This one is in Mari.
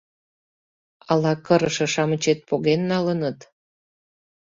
— Ала кырыше-шамычет поген налыныт?